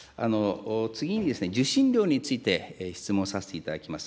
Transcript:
次に、受信料について質問させていただきます。